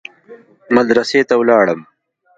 مدرسې ته ولاړم.